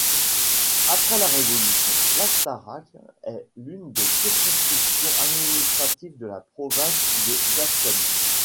Après la Révolution, l'Astarac est l'une des circonscriptions administratives de la province de Gascogne.